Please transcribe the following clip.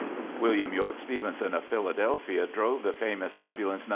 William Yorke Stevenson, of Philadelphia, drove the famous Ambulance No.